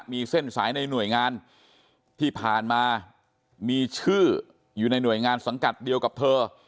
มีเส้นสายในหน่วยงานที่ผ่านมามีชื่ออยู่ในหน่วยงานสังกัดเดียวกับเธอ